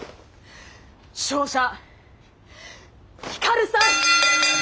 勝者光さん！